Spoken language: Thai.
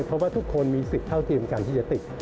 เพราะว่าทุกคนมีสิทธิ์เท่าเทียมกันที่จะติด